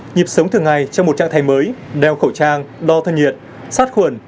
nhịp sống thường ngày trong một trạng thay mới đeo khẩu trang đo thân nhiệt sát khuẩn